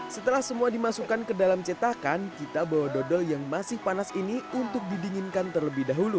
setelah semua dimasukkan ke dalam cetakan kita bawa dodol yang masih panas ini untuk didinginkan terlebih dahulu